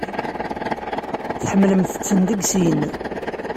Tḥemmlemt-ten deg sin.